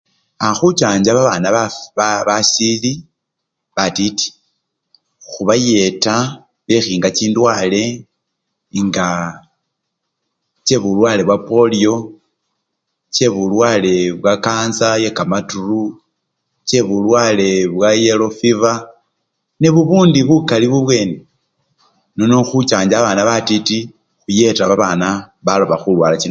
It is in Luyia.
Aa! khuchanja babana bafw! ba! basili batiti, khubayeta bekhinga chindwale nga chebulwale bwapoliyo, chebulwale bwa kansa yekamaturu, chebulwale bwayelo fwifa nebubundi bukali bubwene, nono khuchanja babana batiti, khuyeta babana baloba khulwala chindwale chino taa.